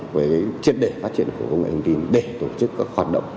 với chiến đề phát triển của công nghệ hình tin để tổ chức các hoạt động